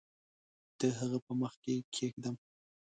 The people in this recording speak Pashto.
د هغه په مخ کې کښېږدم